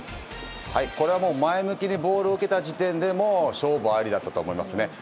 これはもう前向きにボールを受けた時点でもう勝負ありだったと思います。